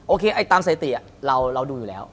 อ๋อโอเคตามสัยติเราดูอยู่แล้ว